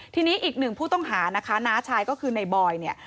ทีนี้อีกหนึ่งผู้ต้องหานะคะน้าชายก็คือในบอยเนี่ย